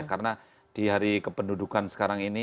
karena di hari kependudukan sekarang ini